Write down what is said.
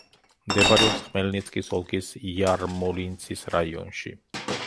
მდებარეობს ხმელნიცკის ოლქის იარმოლინცის რაიონში.